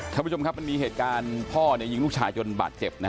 ท่านผู้ชมครับมันมีเหตุการณ์พ่อยิงลูกชายจนบาดเจ็บนะฮะ